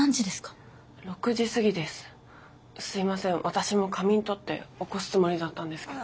私も仮眠とって起こすつもりだったんですけど。